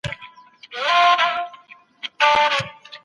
د امیر خسرو دهلوي اثار ولي مهم ګڼل کیږي؟